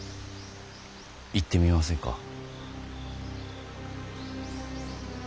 行ってみませんか。